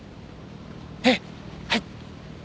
ええはい。